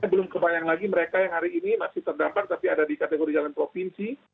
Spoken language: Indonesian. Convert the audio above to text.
belum kebayang lagi mereka yang hari ini masih terdampak tapi ada di kategori jalan provinsi